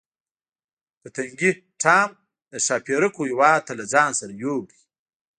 پتنګې ټام د ښاپیرکو هیواد ته له ځان سره یووړ.